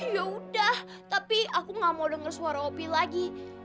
yaudah tapi aku nggak mau denger suara opi lagi